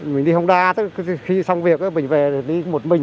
mình đi hông đa khi xong việc mình về thì đi một mình